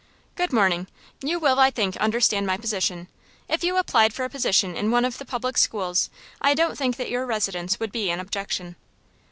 "Good morning. You will, I think, understand my position. If you applied for a position in one of the public schools, I don't think that your residence would be an objection."